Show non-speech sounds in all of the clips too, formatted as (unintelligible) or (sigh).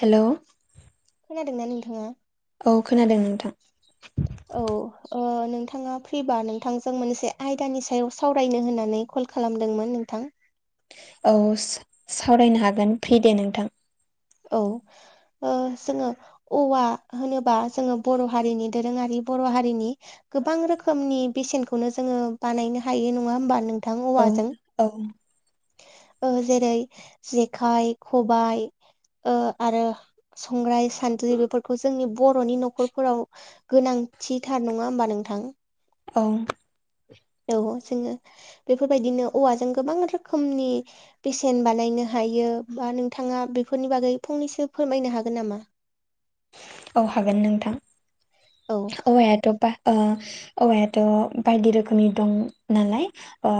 हेल' खोनादों ना नोंथाङा? औ खोनादों नोंथां। औ ओ नोंथाङा फ्रिबा नोंथांजों मोनसे आयदानि सायाव सावरायनो होननानै कल खालामदोंमोन नोंथां। औ सावरायनो हागोन फ्रि दे नोंथां। औ ओ जोङो औवा होनोबा जोङो बर' हारिनि दोरोङारि बर' हारिनि गोबां रोखोमनि बेसेनखौनो जोङो बानायनो हायो नङा होमबा नों थां औ औवाजों औ ओ जेरै जेखाइ खबाय ओ आरो संग्राय सान्द्रि बेफोरखौ जोंनि बर'नि न'खरफोराव गोनांथिथार नङा होमबा नोंथां। औ औ जोङो बेफोरबायदिनो औवाजों गोबां रोखोमनि बेसेन बानायनो हायो बा नोंथाङा बेफोरनि बागै फंनैसो फोरमायनो हागोन नामा? औ हागोन नोंथां। औ औवायाथ' बा ओ औवायाथ' बायदि रोखोमनि दं नालाय ओ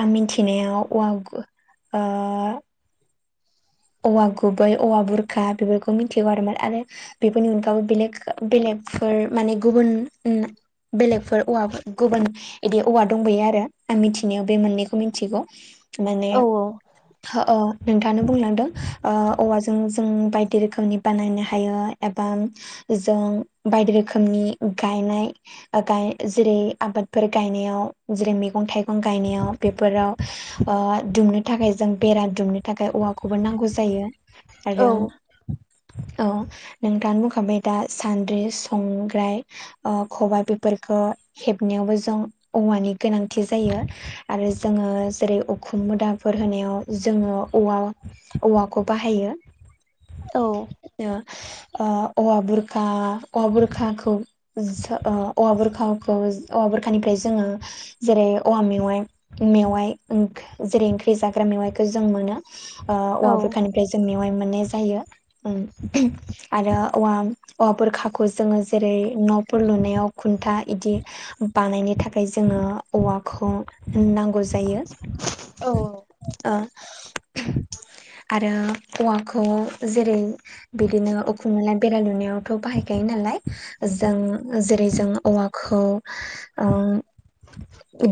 आं मिथिनायाव ओ औवा गुबै औवा बुरखा बेफोरखौ मिथिगौ आरोना आरो बेफोरनि अनगायैबो बेलेग बेलेगफोर माने गुबुन बेलेगफोर औवा गुबुन बिदि औवा दंबोयो आरो आं मिथिनायाव बे मोननैखौ मिथिगौ। माने औ औ नोंथाङानो बुंलांदों। औवाजों जों बायदि रोखोमनि बानायनो हायो एबा जों बायदि रोखोमनि गायनाय जेरै आबादफोर गायनायाव जेरै मैगं थाइगं गायनायाव बेफोराव ओ दुमनो थाखाय जों बेरा दुमनो थाखाय औवाखौबो नांगौ जायो आरो (inaudible) औ नोंथाङानो बुंखाबाय दा सान्द्रि संग्राय खबाय बेफोरखौ हेबनायावबो जों औवानि गोनांथि जायो आरो जोङो जेरै उखुम मुदाफोर होनायाव जोङो औवा औवाखौ बाहायो ओ औवा बुरखा औवा बुरखाखौ औवा बुरखाखौ औवा बुरखानिफ्राय जोङो जेरै औवा मेवाइ मेवाइ जेरै ओंख्रि जाग्रा मेवाइखौ जों मोनो। औवा औ बोरखानिफ्राय जों मेवाय मोननाय जायो। आरो औवा औवा बोरखाखौ जोङो जेरै न'फोर लुनायाव खुन्था इदि बानायनो थाखाय जोङो औवाखौ नांगौ जायो। जायो। आरो औवाखौ जेरै बिदिनो उखुमो बेरा लुनायावथ' बाहायखायो नालाय जों जेरै जों औवाखौ ओ आ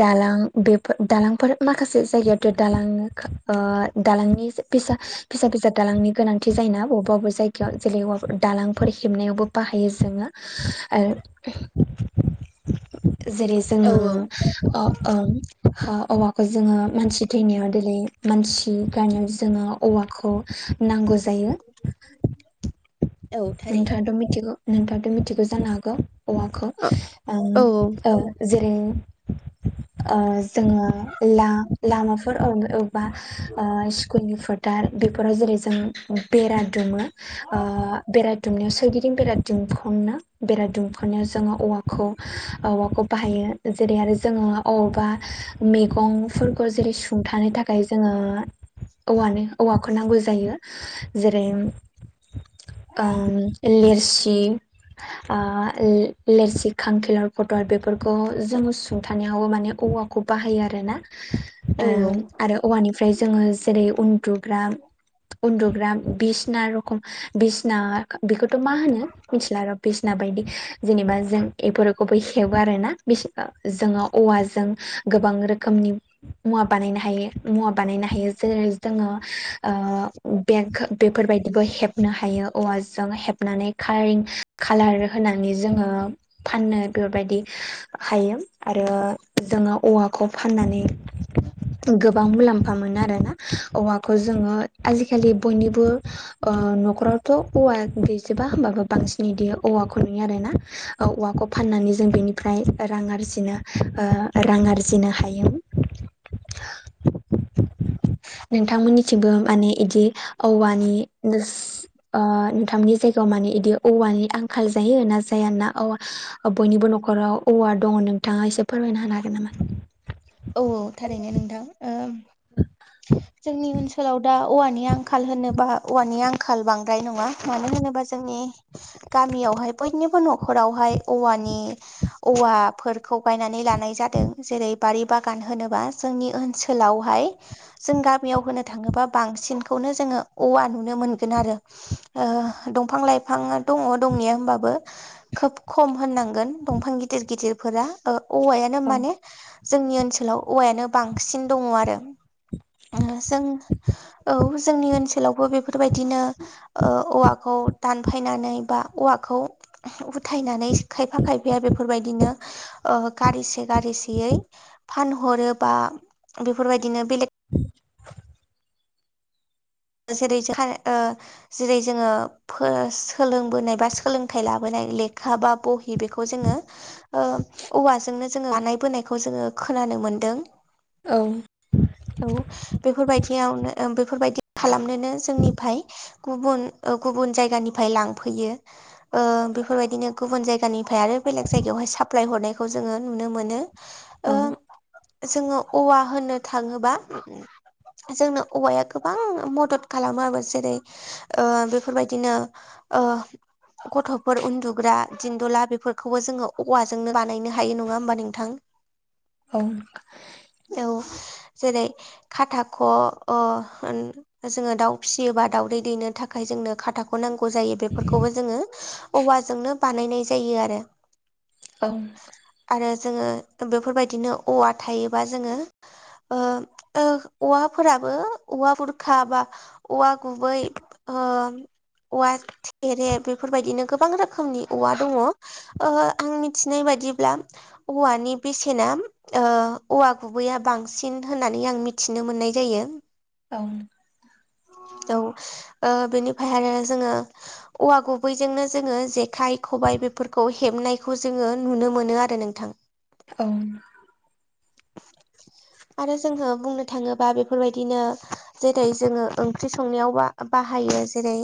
दालां बेफोर दालांफोर माखासे जायगायावथ' दालां दालांनि। फिसा फिसा दालांनि गोनांथि जायोना बबेबा अबा जायगायाव जेरै दालांफोर हेबनायावबोओ बाहायो जोङो जेरै जोङो औ ओ औवाखौ जोङो मानसि थैनायाव दिनै मानसि गारनायाव जोङो औवाखौ नांगौ जायो। (unintelligible) थारैनो नोंथाङाथ' मिथिगौ नोंथाङाथ' मिथिगौ जानो हागौ। औवाखौ औ ओं औ ओ जोङो ला लामा फोरावनो बा स्कुलनि फोथार बेफोराव जेरै जों बेरा दुमो बेराया दुमनायाव सोरगिदिं बेरा दुमख'नो बेरा दुमख'नायाव जोङो औवा खौ औवाखौ बाहायो जेरै आरो जोङो अबावबा मैगंफोरखौ जेरैओ सुंथानो थाखाय जोङो औवानो औवाखौ नांगौ जायो जेरैओ ओ लेरसि ओ लोरसि खांखिलर फटल बेफोरखौ जोङो सुंथानायाव माने औवाखौ। खौ बाहायो आरोना औ आरो। औवानिफ्राय जोङो जेरै उन्दुग्रा उन्दुग्रा बिसना रोखोमै बिसना बेखौथ' मा होनो मिथिला र' बिसना बायदि जेनेबा जों बेफोरखौबो हेबो आरोना बिसो जोङो औवाजों गोबां रोखोमनि औवा बानायनो हायो। मुवा बानायनो हायो जेरै जोङो बेग बेफोरबायदिबो हेपा थायो औवाजों हेबनानै कारिं कालार होनानै जोङो। फाननो बेफोरबादि हायो आरो जोङो औवाखौ फाननानै गोब गोबां मुलाम्फा मोनो आरोना औवाखौ जोङो आजिखालि बयनिबो ओम न'खरावथ' औवा गैजोबा होमबाबो बांसिनै इदि औवाखौ नुयो आरोना ओम औवाखौ फाननानै जों बेनिफ्राय रां आरजिनो रां आरजिनो हायो ओ। (inaudible) नोंथांमोननिथिंबो माने बिदि औवानिनो नोंथांनि जायगायाव माने बिदि औवानि आंखाल जायो ना जाया ना औवा। बयनिबो न'खराव औवा दङ नोंथाङा एसे फोरमायना होनानो हागोन नामा? औ औ थारैनो नोंथां। जोंनि ओनसोलाव दा औवानि आंखाल होनोबा औवानि आंखाल बांद्राय नङा मानो होनोबा जोंनि गामियावहाय बयनिबो न'खरावहायो औवानि औवाफोरखौ गायनानै लानाय जादों जेरै बारि बागान होनोबा जोंनि ओनसोलावहायो जों गामियाव होनो थाङोबा बांसिनखौनो जोङो औवा नुनो मोनगोन आरो। ओ दंफां लाइफांआ दङ दंनाया होमबाबो। खोब खम होननांगोन दंफां गिदिर गिदिरफोरा औवायानो औ माने। जोंनि ओनसोलाव औवायानो बांसिन दङ आरो ना। जों औ जोंनि ओनसोलावबो बेफोरबादिनो ओ औवाखौ दानफायनानै बा औवाखौ। उथायनानै खायफा खायफाया बेफोरबादिनो गारिसे गारिसेयै फानहरो बा बेफोरबादिनो बेलेग (inaudible) जेरै जोंहा (unintelligible) जेरै जोङो फो सोलोंबोनाय बा सोलोंथाइ लाबोनाय लेखा बा बहि बिखौ जोङो ओ औवाजोंनो जोङो बानाय बोनायखौ जोङो खोनानो मोनदों औ थेवबो बेफोरबायदियावनो बेफोरबायदि खालामनोनो जोंनिफ्राय गुबुन गुबुन जायगानिफ्राय लांफैयो बेफोरबायदिनो गुबुन जायगानिफ्राय आरो बेलेग जायगायावहाय साप्लाय हरनायखौ जोङो नुनो मोनो ओ औ जोङो औवा होननो थाङोबा जोंनो औवाया खोब गोबां मदद खालामो आरो जेरै बेफोरबायदिनो गथ'फोर उन्दुग्रा दिनन्दुला बेफोरखौबो जोङो औवाजोंनो बानायनो हायो नङा होमबा नोंथां (inaudible) ओ औ जेरै खाथाख' जोङो दाउ फिसियोबा दाउदै दैनो थाखाय जोंनो खादा नांगौ जायो बेफोरखौबो जोङो औवाजोंनो बानायनाय जायो आरो औ आरो जोङो बेफोरबायदिनो औवा थायोबा जोङो औवा फोराबो औवा बुरखा बा औवा गुबै औवा थेरे बेफोरबायदिनो गोबां रोखोमनि औवा दङ आं मिथिनाय बादिब्ला औवानि बेसेना ओ औवा गुबैया बांसिन होननानै आं मिथिनो मोननाय जायो ओं औ बेनिफ्राय आरो जोङो औवा गुबैजोंनो जोङो जेखाइ खबाय बेफोरखौ हेबनायखौ जोङो नुनो मोनो आरो नोंथाङा (inaudible) औ आरो जोङो बुंनो थाङोबा बेफोरबायदिनो जेरै जोङो ओंख्रि संनायाव बा बाहायो जेरै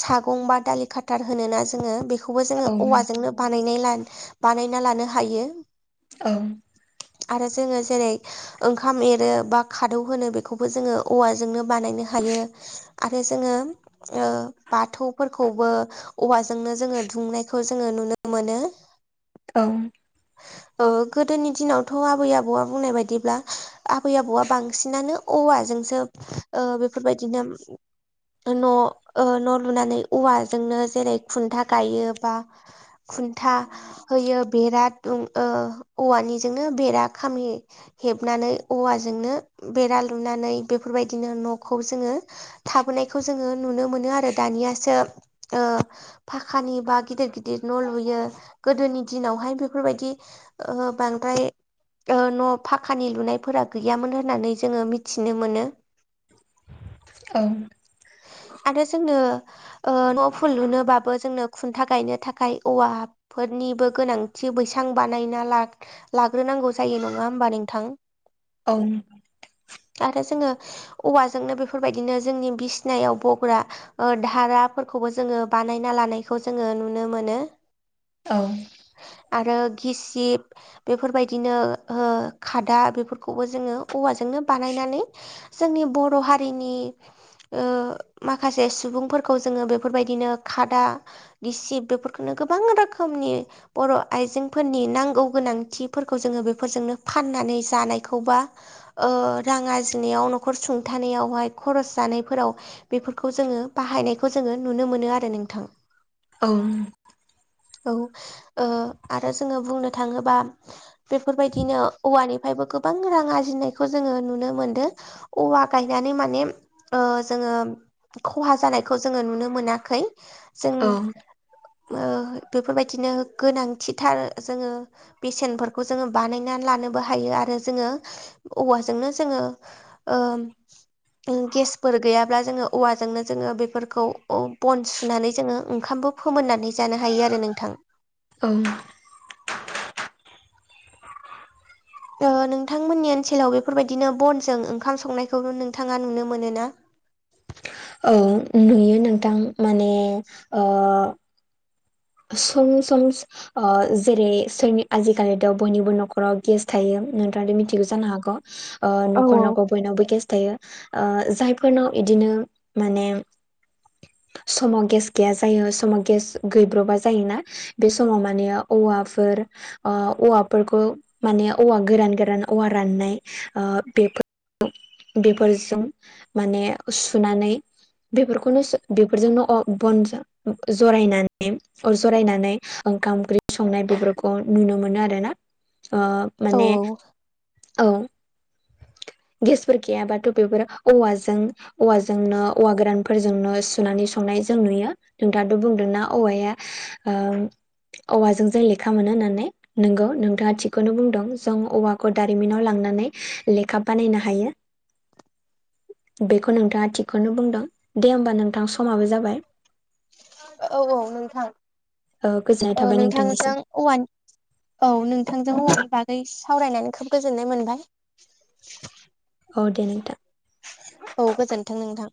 सागं बा दालि खाथार होनो ना जोङो बे बेखौबो जोङो औ औवाजोंनो बानाय बानायना लानो हायो औ आरो जोङो जेरै ओंखाम एरो बा खादौ होनो बे बेबो जोङो औवाजोंनो बानायनो हायो आरो जोङो बाथौफोरखौबो औवाजोंनो जोङो दुंनायखौ जोङो नुनो मोनो औ (inaudible) गोदोनि दिनावथ' आबै आबौआ बुंनाय बायदिब्ला आबै आबौआ बांसिनानो औवाजोंसो बेफोरबायदिनो न' न' लुनानै औवाजोंनो जेरै खुन्था गायो बा खुन्था होयो बेरा दोमनो औवानिजोंनो बेरा खामि हेबनानै औवाजोंनो बेरा लुनानै बेफोरबायदिनो न'खौ जोङो थाबोनायखौ जोङो नुनो मोनो आरो दानियासो फाखानि बा गिदिर गिदिर न' लुयो गोदोनि दिनावहाय बेफोरबायदि बांद्राय न' फाखानि लुनायफोरा गैयामोन होननानै जोङो मिथि मिथिनो मोनो औ आरो जोंनो न' फुल लुनोबाबो जोंनो खुन्था गायनो थाखाय औवा फोरनिबो गोनांथि बैसां बानायना ला लाग्रोनांगौ जायो नङा होमबा नोंथां औ आरो जोङो औवाजोंनो बेफोरबायदिनो जोंनि बिसिनायाव बग्रा धाराफोरखौबो जोङो बानायना लानायखौ जोङो नुनो मोनो औ आरो गिसिब बेफोरबायदिनो खादा बेफोरखौबो जोङो औवाजोंनो बानायनानै जोंनि बर' हारिनि माखासे सुबुंफोरखौ जोङो बेफोरबायदिनो खादा गिसिब बेफोरखौनो गोबां रोखोमनि बर' आइजेंफोरनि नांगौ गोनांथिफोरखौ जोङो बेफोरजोंनो फाननानै जानायखौबा रां आरजिनायाव न'खर सुंथानायावहाय खरस जानायफोराव बेफोरखौ जोङो बाहायनायखौ जोङो नुनो मोनो आरो नोंथां औ औ आरो जोङो बुंनो थाङोबा बेफोरबायदिनो औवानिफायबो गोबां रां आरजिनायखौ जोङो नुनो नुनो मोनदो औवा गायनानै माने जोङो खहा जानायखौ जोङो नुनो मोनाखै जों बेफोरबायदिनो गोनांथिथार जोङो बेसेनफोरखौ जोङो बानायनानै लानोबो हायो आरो जोङो औवाजोंनो जोङो ओ गेसफोर गैयाब्ला जोङो औवाजोंनो जोङो बेफोरखौ बन सुनानै जोङो ओंखामबो फोमोननानै जानो हायो आरो नोंथां औ नोंथांमोननि ओनसोलाव बेफोरबायदिनो बनजों ओंखाम संनायखौ नोंथाङा नुनो मोनो ना नुयो नोंथां माने ओ सम सम जेरै सोरनि आजिखालिथ' बयनिबो न'खराव गेस थायो नोंथाङाथ' मिथिगौ जानो हागौ औ न'खर न'खर बयनावबो गेस थायो जायफोरनाव इदिनो माने समाव गेस गैया जायो समाव गेस गैब्रबा जायोना बे समाव माने औवाफोर औवाफोरखौ माने औवा गोरान गोरान औवा राननाय बेफोर (unintelligible) बेफोरजों माने सुनानै बेफोरखौनो सो बेफोरजोंनो बन जरायनानै अर जरायनानै ओंखाम ओंख्रि संनाय बेफोरखौ नुनो मोनो आरो ना ओ औ माने औ गेसफोर गैयाबाथ' बेफोर औवाजों औवाजोंनो औवा गोरानफोरजोंनो सुनानै संनाय जों नुयो नोंथाथ' बुंदोंना औवाया औवाजों जों लेखा मोनो होननानै नोंगौ नोंथाङा थिगखौनो बुंदों जों औवाखौ दारिमिनाव लांनानै लेखा बानायनो हायो (inaudible) बेखौ नोंथाङा थिगखौनो बुंदों दे होमबा नोंथां समाबो जाबाय औ औ नोंथां ओ, गोजोननाय औ थाबाय नोंथांजों नोंथांनिसिम औवानि औ नोंथांजों औवानि बागै सावरायनानै खोब गोजोननाय मोनबाय (inaudible) औ दे नोंथां औ गोजोनथों नोंथां